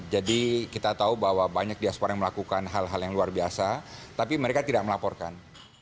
jadi kita tahu bahwa banyak diaspora yang melakukan hal hal yang luar biasa tapi mereka tidak melaporkan